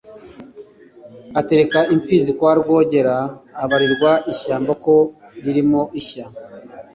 Atereka imfizi kwa RwogeraAbarirwa ishyamba ko ririmo ishya